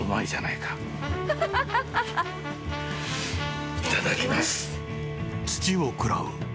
いただきます。